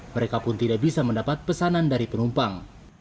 mereka pun tidak bisa mendapat pesanan dari penumpang